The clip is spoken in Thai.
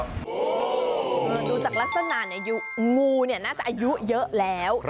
ดูจากลักษณะงูงูน่าจะอายุเยอะแล้ว